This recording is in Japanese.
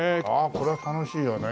これは楽しいよね。